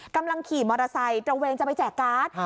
กำลังขี่มอเตอร์ไซค์ตระเวนจะไปแจกการ์ด